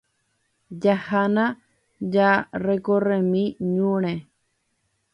Jahána jarecorremi ñúre.